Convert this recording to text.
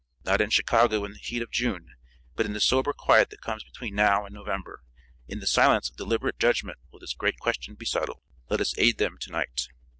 Not in Chicago in the heat of June, but in the sober quiet that comes between now and November, in the silence of deliberate judgment will this great question be settled. Let us aid them to night.